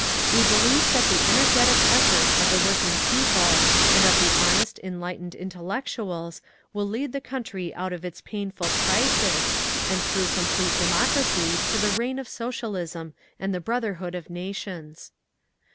We believe that the energetic effort of the working people and of the honest enlightened intellectuals will lead the country out of its painful crisis, and through complete democracy to the reign of Socialism and the brotherhood of nations.